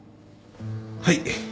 はい。